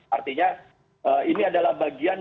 artinya ini adalah bagian